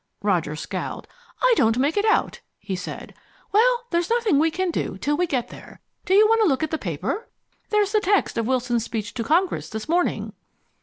Roger scowled. "I don't make it out," he said. "Well, there's nothing we can do till we get there. Do you want to look at the paper? There's the text of Wilson's speech to Congress this morning."